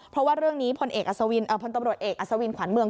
เพราะว่าเรื่องนี้พลตำรวจเอกอัศวินขวัญเมือง